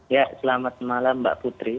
ya selamat malam mbak putri